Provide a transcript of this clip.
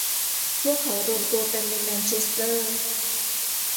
พวกเขารวมตัวกันในแมนเชสเตอร์